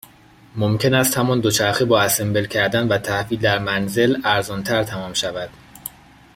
ممکن است همان دوچرخه با اسمبل کردن و تحویل در منزل، ارزانتر تمام شود